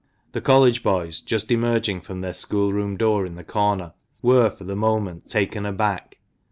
The College boys, just emerging from their school room door in the corner, were, for the moment, taken aback.